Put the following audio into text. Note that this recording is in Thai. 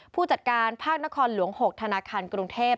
ผู้จัดการภาคนครหลวง๖ธนาคารกรุงเทพ